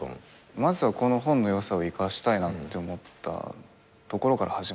まずはこの本の良さを生かしたいなって思ったところから始まってます。